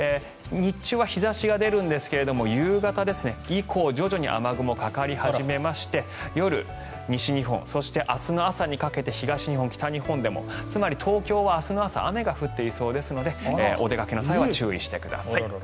日中は日差しが出るんですが夕方以降徐々に雨雲がかかり始めまして夜、西日本そして明日の朝にかけて東日本、北日本でもつまり東京は明日の朝雨が降っていそうですのでお出かけの際は注意してください。